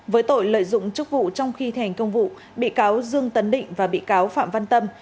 với tội lợi dụng chức vụ trong khi thành công vụ bị cáo dương tấn định và bị cáo phạm văn tâm